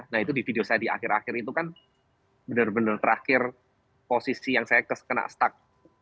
nah itu di video saya di akhir akhir itu kan benar benar terakhir posisi yang saya kena stak